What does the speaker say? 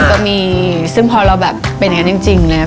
ก็มีซึ่งพอเราแบบเป็นอย่างนั้นจริงนะครับ